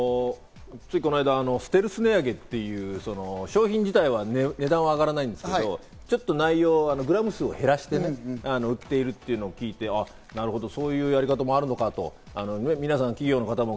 ついこの間ステルス値上げという商品自体は値段は上がらないんですけど、ちょっと内容、グラム数を減らして売っているというのを聞いて、なるほど、そういうやり方もあるのかと。